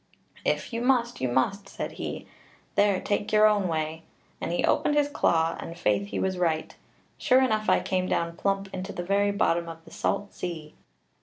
"'If you must, you must,' said he; 'there, take your own way;' and he opened his claw, and faith he was right sure enough I came down plump into the very bottom of the salt sea!